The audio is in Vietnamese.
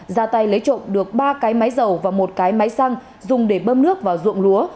ra tay lấy trộm được ba cái máy dầu và một cái máy xăng dùng để bơm nước vào ruộng lúa